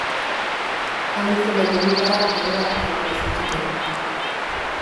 Handik, zenbait ordutara, aurrera jarraitu ahal izan zuten.